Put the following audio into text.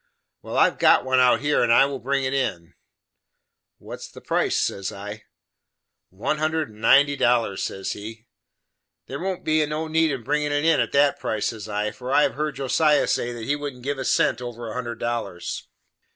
"Well, I have got one out here, and I will bring it in." "What is the price?" says I. "One hundred and ninety dollars," says he. "There won't be no need of bringin' it in at that price," says I, "for I have heerd Josiah say, that he wouldn't give a cent over a hundred dollars."